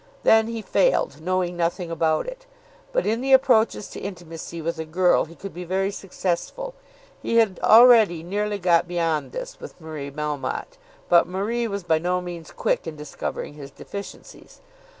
Then he failed, knowing nothing about it. But in the approaches to intimacy with a girl he could be very successful. He had already nearly got beyond this with Marie Melmotte; but Marie was by no means quick in discovering his deficiencies.